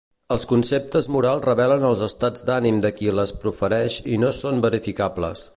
Els conceptes morals revelen els estats d'ànim de qui les profereix i no són verificables.